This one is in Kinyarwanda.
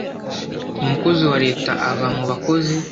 umukozi wa leta ava mu bakozi